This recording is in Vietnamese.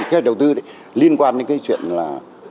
cái đầu tư liên quan đến cái chuyện là